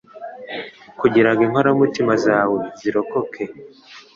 Kugira ngo inkoramutima zawe zirokoke